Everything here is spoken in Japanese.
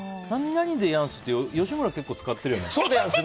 「でやんす」って吉村、結構使ってるよね。